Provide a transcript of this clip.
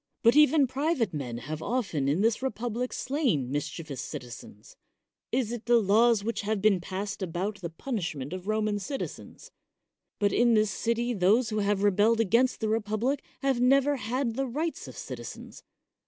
But even private men have often in this republic slain mischievous citizens. Is it the laws which have been passed about the punish ment of Roman citizens? But in this city those who have rebelled against the republic have never had the rights of citizens.